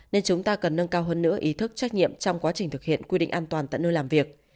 nên chúng ta cần nâng cao hơn nữa ý thức trách nhiệm trong quá trình thực hiện quy định an toàn tại nơi làm việc